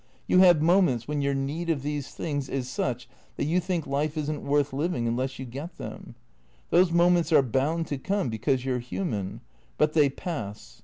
You have moments when your need of these things is such that you think life is n't worth living unless you get them. Those moments are bound to come, because you 're human. But they pass.